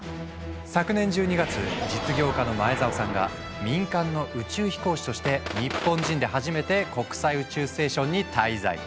昨年１２月実業家の前澤さんが民間の宇宙飛行士として日本人で初めて国際宇宙ステーションに滞在。